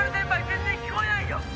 全然聞こえないよ！」